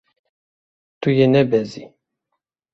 Tu yê nebezî.